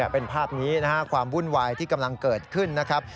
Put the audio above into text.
เป็นภาพนี้ความบุญวายที่กำลังเกิดขึ้นนะครับ